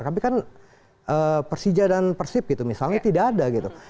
tapi kan persija dan persib gitu misalnya tidak ada gitu